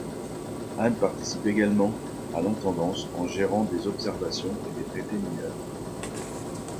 Anne participe également à l'intendance en gérant des observations et des traités mineurs.